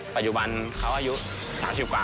ปัจจุบันเขาอายุ๓๐กว่า